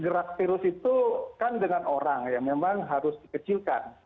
gerak virus itu kan dengan orang yang memang harus dikecilkan